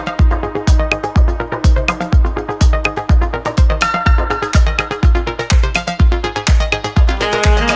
sudah biar saya aja